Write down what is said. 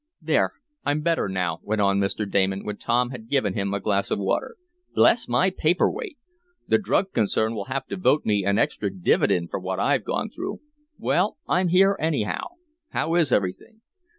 "There, I'm better now," went on Mr. Damon, when Tom had given him a glass of water. "Bless my paper weight! The drug concern will have to vote me an extra dividend for what I've gone through. Well, I'm here, anyhow. How is everything?"